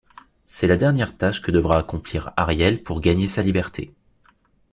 C'est la dernière tâche que devra accomplir Ariel pour gagner sa liberté.